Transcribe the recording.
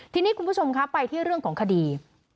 ทีนี้คุณผู้ชมคะไปที่เรื่องของคดี